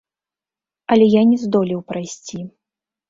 Але я не здолеў прайсці.